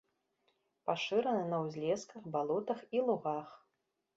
Пашыраны на ўзлесках, балотах і лугах.